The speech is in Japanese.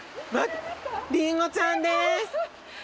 りんごちゃんです。